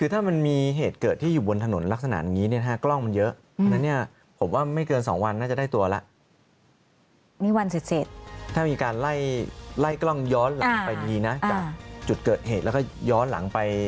ถ้ามันมีเหตุเกิดที่อยู่บนถนนลักษณะอย่างนี้กล้องมันเยอะ